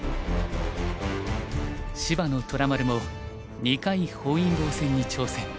芝野虎丸も２回本因坊戦に挑戦。